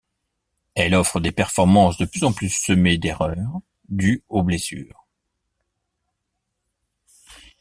Elle offre des performances de plus en plus semées d'erreurs, dues aux blessures.